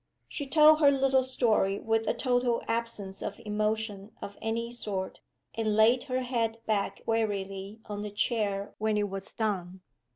She told her little story with a total absence of emotion of any sort, and laid her head back wearily on the chair when it was done.